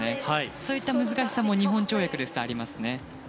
そういった難しさも２本跳躍ですと、ありますね。